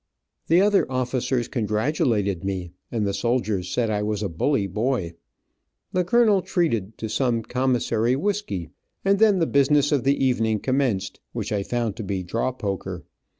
The other officers congratulated me, and the soldiers said I was a bully boy. The colonel treated to some commissary whisky, and then the business of the evening commenced, which I found to be draw poker.